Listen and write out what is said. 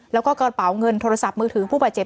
แล้วก็กระเป๋าเงินโทรศัพท์มือถือผู้บาดเจ็บ